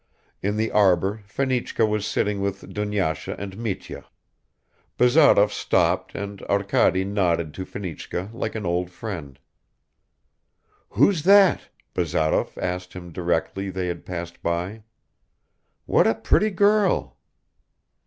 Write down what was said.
In the arbor Fenichka was sitting with Dunyasha and Mitya. Bazarov stopped and Arkady nodded to Fenichka like an old friend. "Who's that?" Bazarov asked him directly they had passed by. "What a pretty girl!"